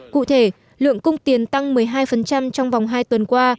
cụ thể lượng cung tiền tăng một mươi hai trong vòng hai tuần qua